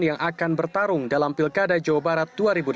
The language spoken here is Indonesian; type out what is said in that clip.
yang akan bertarung dalam pilkada jawa barat dua ribu delapan belas